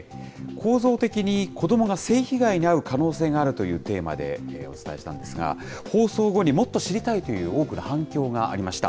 構造的に子どもが性被害に遭う可能性があるというテーマでお伝えしたんですが、放送後にもっと知りたいという多くの反響がありました。